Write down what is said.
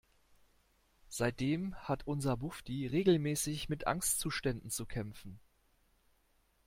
Seitdem hat unser Bufdi regelmäßig mit Angstzuständen zu kämpfen.